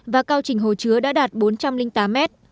và cao trình hồ chứa đã đạt bốn trăm linh triệu m ba